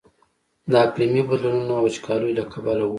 د اقلیمي بدلونونو او وچکاليو له کبله و.